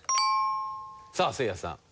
さあせいやさん。